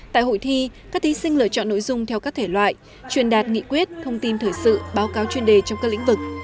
tại hội thi các thí sinh lựa chọn nội dung theo các thể loại truyền đạt nghị quyết thông tin thời sự báo cáo chuyên đề trong các lĩnh vực